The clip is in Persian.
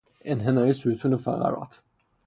انحنای ستون فقرات